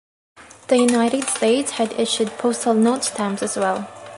The United States had issued postal note stamps as well.